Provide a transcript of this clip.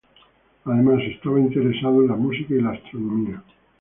Además estaba interesado en la música y la astronomía.